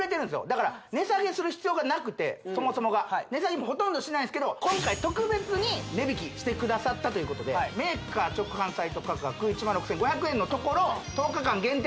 だから値下げする必要がなくてそもそもが値下げもほとんどしないんですけど今回特別に値引きしてくださったということでメーカー直販サイト価格１６５００円のところ１０日間限定